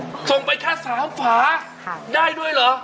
ตกตมไปสามฝาได้ด้วยเหรอ